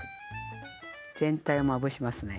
全体をまぶしますね。